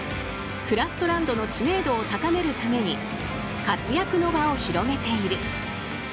フラットランドの知名度を高めるために活躍の場を広げている。